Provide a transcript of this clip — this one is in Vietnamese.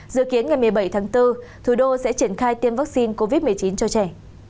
dự kiến ngày một mươi bảy tháng bốn thủ đô sẽ triển khai tiêm vaccine covid một mươi chín cho trẻ